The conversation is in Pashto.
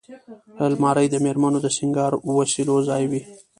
الماري د مېرمنو د سینګار وسیلو ځای وي